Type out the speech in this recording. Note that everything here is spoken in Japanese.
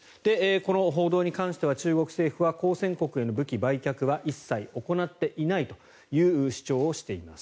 この報道に関しては中国政府は交戦国への武器売却は一切行っていないという主張をしています。